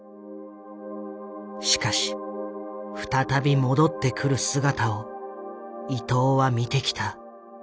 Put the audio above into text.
しかし再び戻ってくる姿をいとうは見てきた。